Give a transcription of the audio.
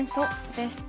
です。